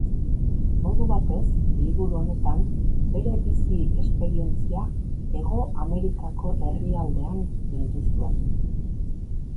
Modu batez, liburu honetan, bere bizi-esperientzia Hego-Amerikako herrialdean bildu zuen.